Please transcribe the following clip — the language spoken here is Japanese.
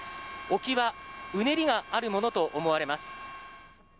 沖は、うねりがあるものと思われます。